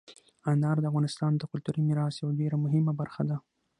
انار د افغانستان د کلتوري میراث یوه ډېره مهمه برخه ده.